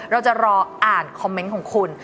เราจะรออ่านคอมเมนต์ของคุณ